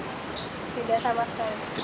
tidak sama sekali